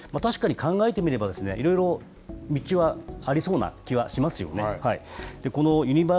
確かに考えてみればですね、いろいろ道はありそうな気はしますよね。